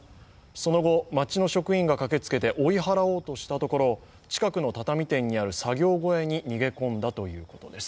その後、町の職員が駆けつけて追い払おうとしたところ近くの畳店にある作業小屋に逃げ込んだということです。